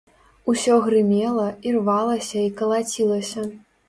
Усё грымела, ірвалася і калацілася.